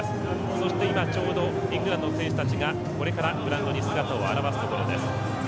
そして今イングランドの選手たちがこれからグラウンドに姿を現すところです。